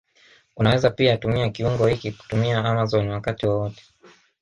Unaweza pia tumia kiungo hiki kutumia Amazon wakati wowote